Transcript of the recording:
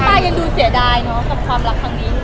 ต้องตายยังดูเสียดายเนอะกับความรักของนี้